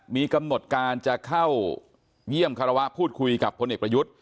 มีกำหนดการจะเข้าเยี่ยมคารวะพูดคุยกับพลเอกประยุทธ์